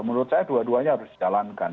menurut saya dua duanya harus dijalankan